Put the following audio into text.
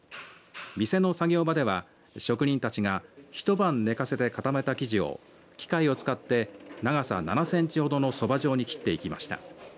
店の作業場では職人たちが一晩寝かせて固めた生地を機械を使って長さ７センチほどの、そば状に切っていきました。